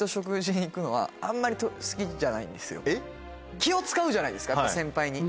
気を使うじゃないですか先輩に。